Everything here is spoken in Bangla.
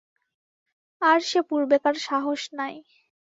আর সে পূর্বেকার সাহস নাই।